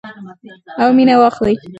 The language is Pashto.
او مینه واخلئ.